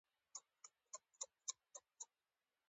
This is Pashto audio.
احمد له ډېره زیاره تور تېيلی شوی دی.